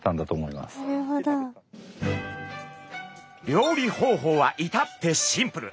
料理方法は至ってシンプル。